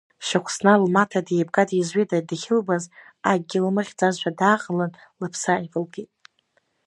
Шьахәсна лмаҭа деибга-деизҩыда дахьылбаз, акгьы лмыхьӡазшәа дааҟалан, лыԥсы ааивылгеит.